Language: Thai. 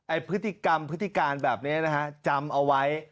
พฤติกรรมพฤติการแบบนี้นะฮะจำเอาไว้